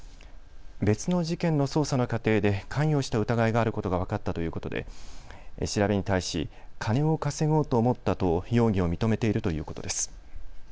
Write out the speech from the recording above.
別の事件の捜査の過程で関与した疑いがあることが分かったということで調べに対し金を稼ごうと思ったと容疑を認めているということです。